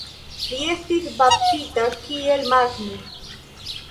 Li estis baptita kiel Magnus.